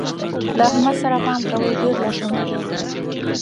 له احمد سره پام کوئ؛ ډېر لاس وهونکی دی.